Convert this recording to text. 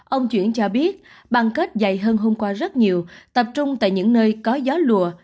ông chuyển cho biết băng kết dày hơn hôm qua rất nhiều tập trung tại những nơi có gió lùa